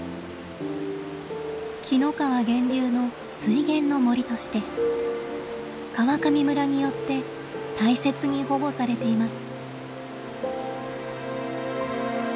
紀の川源流の「水源の森」として川上村によって大切に保護されています。